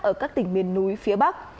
ở các tỉnh miền núi phía bắc